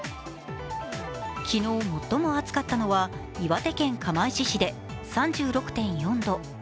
昨日、最も暑かったのは岩手県釜石市で３６．４度。